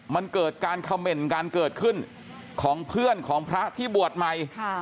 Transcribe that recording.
มันเกิดการเขม่นการเกิดขึ้นของเพื่อนของพระที่บวชใหม่